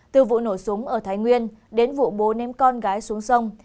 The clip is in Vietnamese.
từ vụ nổ súng ở thái nguyên đến vụ bố ném con gái xuống sông